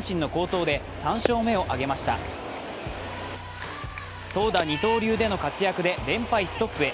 投打二刀流での活躍で連敗ストップへ。